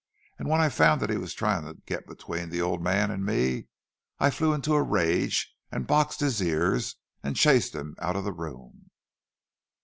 And when I found that he was trying to get between the old man and me, I flew into a rage and boxed his ears and chased him out of the room!"